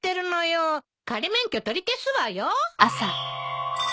仮免許取り消すわよ。